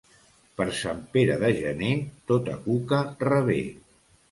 Per Sant Pere de gener tota cuca revé.